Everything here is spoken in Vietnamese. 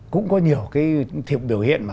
cũng có nhiều cái thiệp biểu hiện mà